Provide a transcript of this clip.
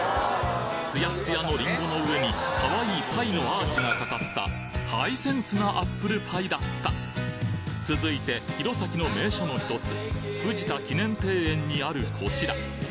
ツヤッツヤのリンゴの上にかわいいパイのアーチがかかったハイセンスなアップルパイだった続いて弘前の名所の１つ藤田記念庭園にあるこちら！